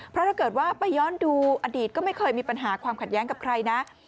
เพราะถ้าเกิดว่าไปย้อนดูอดีตก็ไม่เคยมีปัญหาความขัดแย้งกับใครนะ